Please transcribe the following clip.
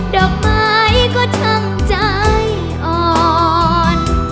ดอกไม้ก็ทำใจอ่อน